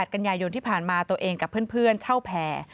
กันยายนที่ผ่านมาตัวเองกับเพื่อนเช่าแผ่